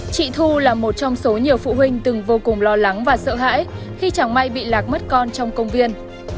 chị thu là một trong số nhiều phụ huynh từng vô cùng lo lắng và sợ hãi khi chẳng may bị lạc mất con trong công viên